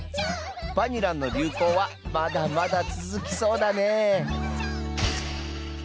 バニランの流行はまだまだ続きそうだね